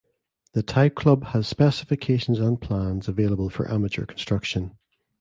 The type club has specifications and plans available for amateur construction.